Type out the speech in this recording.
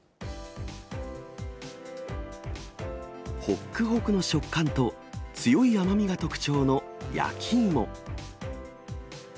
ほっくほくの食感と、強い甘みが特徴の焼き芋。